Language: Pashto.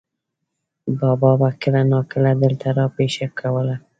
بابا به کله ناکله دلته را پېښه کوله.